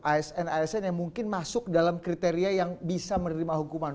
asn asn yang mungkin masuk dalam kriteria yang bisa menerima hukuman